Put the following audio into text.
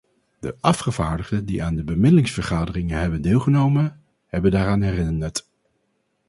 De afgevaardigden die aan de bemiddelingsvergaderingen hebben deelgenomen, hebben daaraan herinnerd.